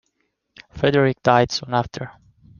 Frederick died soon after.